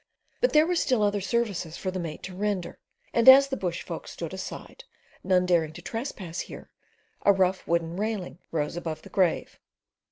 But there were still other services for the mate to render and as the bush folk stood aside, none daring to trespass here, a rough wooden railing rose about the grave.